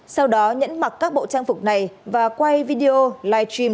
sau đó nhẫn mặc các bộ trang phục này và quay video live stream